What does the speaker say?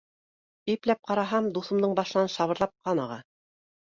Ипләп ҡараһам, дуҫымдың башынан шабырҙап ҡан аға.